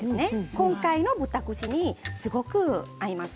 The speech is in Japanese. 今回の豚串にすごく合います。